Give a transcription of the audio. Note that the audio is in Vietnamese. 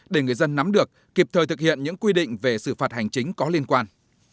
để người dân nắm được kịp thời thực hiện những quy định về xử phạt hành chính có liên quan